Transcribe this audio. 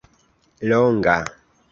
longa